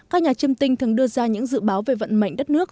các nhà chiêm tinh thường đưa ra những dự báo về vận mệnh đất nước